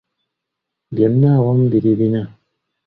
Byonna awamu biri bina.